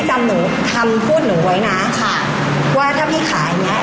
ก็คือเราจะเปิดอยู่แล้ว